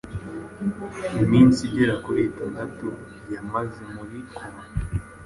Iminsi igera kuri itandatu yamaze muri koma